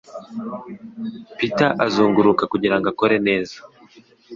Peter azunguruka kugirango akore neza